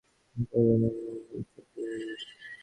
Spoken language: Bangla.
বলা হল, মা, বল তো কবুল।